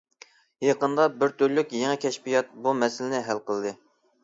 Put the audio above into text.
يېقىندا بىر تۈرلۈك يېڭى كەشپىيات بۇ مەسىلىنى ھەل قىلدى.